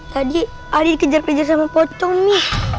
tadi ali dikejar kejar sama pocong mi